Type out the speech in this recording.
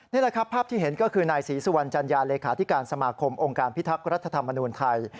นี่แหละครับภาพที่เห็นก็คือนายศรีสุวรรณจัญญาเลขาธิการสมาคมองค์การพิทักษ์รัฐธรรมนูญไทย